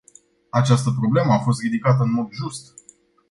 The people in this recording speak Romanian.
Această problemă a fost ridicată în mod just.